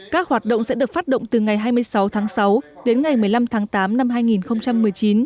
các hoạt động sẽ được phát động từ ngày hai mươi sáu tháng sáu đến ngày một mươi năm tháng tám năm hai nghìn một mươi chín